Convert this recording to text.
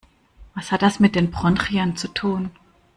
Was hat das mit den Bronchien zu tun?